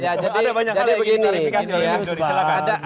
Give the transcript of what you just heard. ada banyak hal yang ingin kita tarifikasi